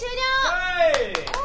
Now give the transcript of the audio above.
はい！